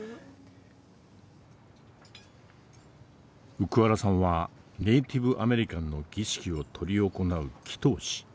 ウクアラさんはネイティブ・アメリカンの儀式を執り行う祈祷師。